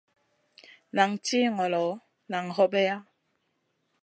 Nan tih ŋolo, nan hobeya.